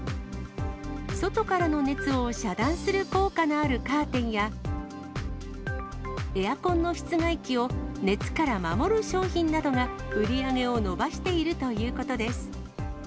外からの熱を遮断する効果のあるカーテンや、エアコンの室外機を熱から守る商品などが売り上げを伸ばしているということです。